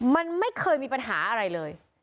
มันไม่เคยมีปัญหาอะไรเลย